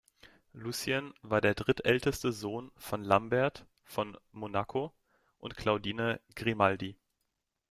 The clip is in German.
Lucien war der drittälteste Sohn von Lambert von Monaco und Claudine Grimaldi.